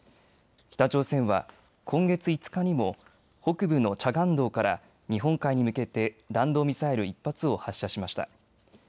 北朝鮮は今月５日にも北部のチャガン道から日本海に向けて弾道ミサイル１発を発射しました。